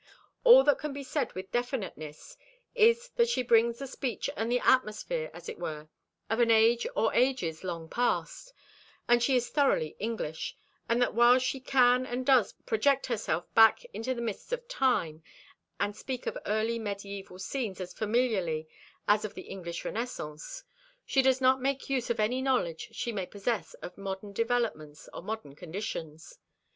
All that can be said with definiteness is that she brings the speech and the atmosphere, as it were, of an age or ages long past; that she is thoroughly English, and that while she can and does project herself back into the mists of time, and speak of early medieval scenes as familiarly as of the English renaissance, she does not make use of any knowledge she may possess of modern developments or modern conditions.